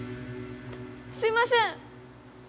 すいません！